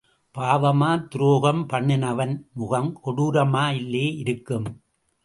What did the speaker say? பாவமா துரோகம் பண்ணுனவன் முகம் கொடூரமா இல்லே இருக்கும்.